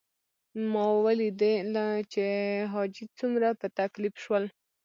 ما ولیدل چې حاجي څومره په تکلیف شول.